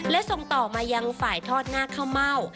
และส่งต่อมายังฝ่ายทอดหน้าข้าวเม่า